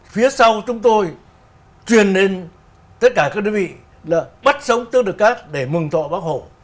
phía sau chúng tôi truyền lên tất cả các đơn vị là bắt sống tướng đức các để mừng thọ bác hổ